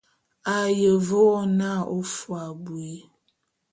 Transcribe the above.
A ye ve wo n'a ô fôé abui.